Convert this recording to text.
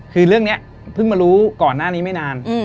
คือเรื่องนี้เพิ่งมารู้ก่อนหน้านี้ไม่นาน